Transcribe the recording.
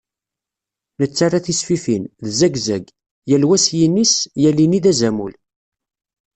Nettarra tisfifin, d zagzag, yal wa s yini-s, yal ini d azamul.